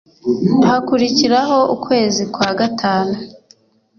Hakurikiraho ukwezi kwa gatanu